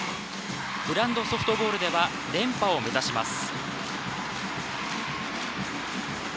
グランドソフトボールでは連覇を目指します。